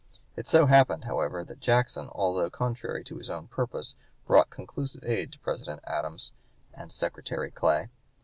It so happened, however, that Jackson, altogether contrary to his own purpose, brought conclusive aid to President Adams and Secretary Clay.